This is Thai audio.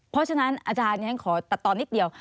เพราะฉะนั้นอาจารย์ฉันขอตัดตอนนิดเดียว